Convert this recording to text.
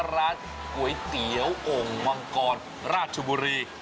ร้านก๋วยเตี๋ยวโอ่งมังกรราชบุรี